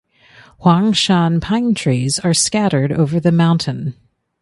Huangshan pine trees are scattered over the mountain.